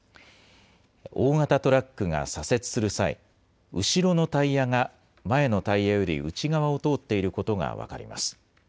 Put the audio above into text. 大型トラックが左折する際、後ろのタイヤが前のタイヤより内側を通っていることが分かります。